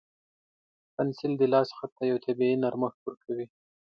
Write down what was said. پنسل د لاس خط ته یو طبیعي نرمښت ورکوي.